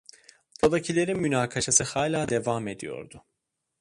Odadakilerin münakaşası hala devam ediyordu.